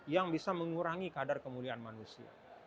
yang bisa mengurangi kadar kemuliaan manusia